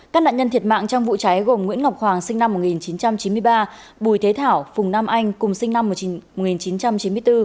các nạn nhân thiệt mạng trong vụ cháy gồm nguyễn ngọc hoàng sinh năm một nghìn chín trăm chín mươi ba bùi thế thảo phùng nam anh cùng sinh năm một nghìn chín trăm chín mươi bốn